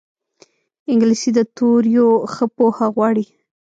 انګلیسي د توریو ښه پوهه غواړي